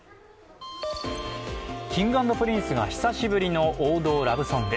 Ｋｉｎｇ＆Ｐｒｉｎｃｅが久しぶりの王道ラブソング。